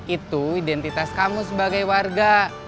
itu identitas kamu sebagai warga